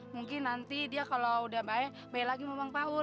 mungkin nanti dia kalau udah baik baik lagi sama bang paul